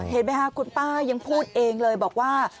เห็นไหมคะคุณป้ายังพูดเองเลยบอกว่า